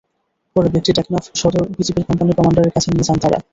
পরে ব্যাগটি টেকনাফ সদর বিজিবির কোম্পানি কমান্ডারের কাছে নিয়ে যান তাঁরা।